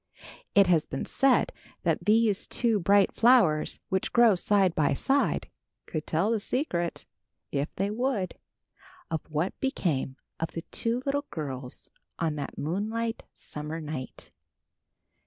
It has been said that these two bright flowers, which grow side by side, could tell the secret, if they would, of what became of the two little girls on that moonlight summer night.